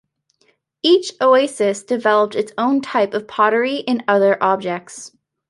Each oasis developed its own types of pottery and other objects.